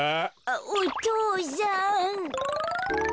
お父さん。